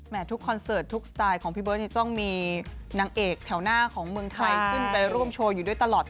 ทุกคอนเสิร์ตทุกสไตล์ของพี่เบิร์ตต้องมีนางเอกแถวหน้าของเมืองไทยขึ้นไปร่วมโชว์อยู่ด้วยตลอด